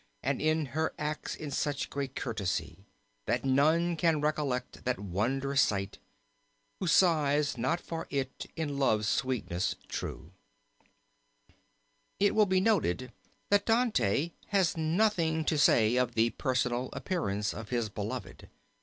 And in her acts is such great courtesy, That none can recollect that wondrous sight. Who sighs not for it in Love's sweetness true. It will be noted that Dante has nothing to say of the personal appearance of his beloved.